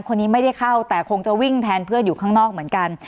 คนนี้ไม่ได้เข้าแต่คงจะวิ่งแทนเพื่อนอยู่ข้างนอกเหมือนกัน